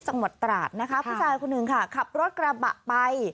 จังหวัดตราดนะคะผู้ชายคนหนึ่งค่ะขับรถกระบะไป